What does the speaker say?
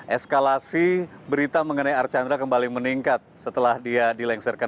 eskalasi berita mengenai archandra kembali meningkat setelah dia dilengsarkan